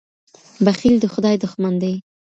بخیل د خدای دښمن دی.